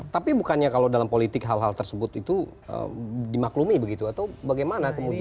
tapi bukannya kalau dalam politik hal hal tersebut itu dimaklumi begitu atau bagaimana kemudian